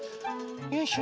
よいしょ。